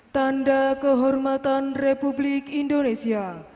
tanda kehormatan republik indonesia